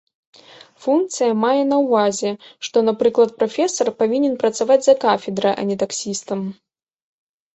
Функцыя мае на ўвазе, што, напрыклад, прафесар павінен працаваць за кафедрай, а не таксістам.